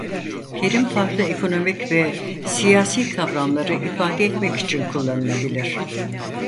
Terim farklı ekonomik ve siyasi kavramları ifade etmek için kullanılabilir.